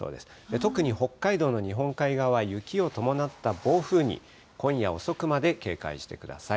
特に北海道の日本海側は、雪を伴った暴風に今夜遅くまで警戒してください。